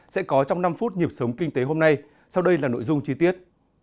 sẽ có trong năm phút nhịp sống kinh tế hôm nay sau đây là nội dung chi tiết